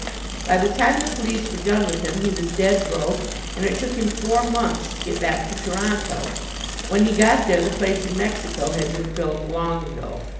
By the time the police were done with him he was dead broke, and it took him four months to get back to Toronto; when he got there, the place in Mexico had been filled long ago.